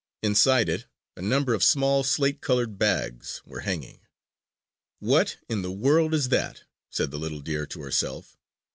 Inside it a number of small slate colored bags were hanging. "What in the world is that?" said the little deer to herself.